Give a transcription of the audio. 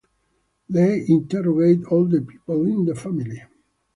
They interrogate all the people in the family.